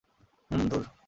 হুম, ধুর!